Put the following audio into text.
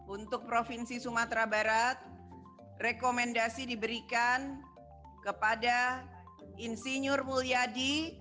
untuk provinsi sumatera barat rekomendasi diberikan kepada insinyur mulyadi